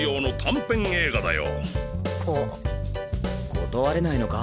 断れないのか？